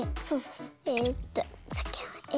えっとさっきのａ。